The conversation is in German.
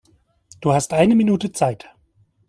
Du hast eine Minute Zeit.